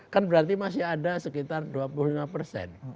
kan berarti masih ada sekitar dua puluh lima persen